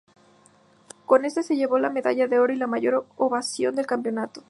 Con esto se llevó la medalla de oro y la mayor ovación del campeonato.